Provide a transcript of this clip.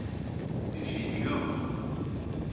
Bir şey biliyor musun?